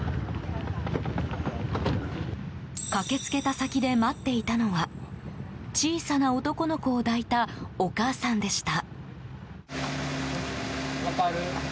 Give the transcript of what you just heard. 駆け付けた先で待っていたのは小さな男の子を抱いたお母さんでした。